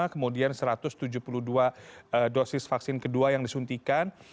kemudian satu ratus tujuh puluh dua dosis vaksin kedua yang disuntikan